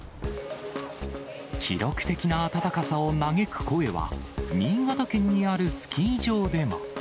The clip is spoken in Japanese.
記録的な暖かさを嘆く声は、新潟県にあるスキー場でも。